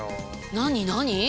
何何？